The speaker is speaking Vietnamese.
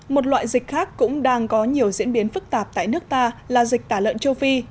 một loại dịch khác cũng đang có nhiều diễn biến phức tạp tại nước ta là dịch tả lợn châu phi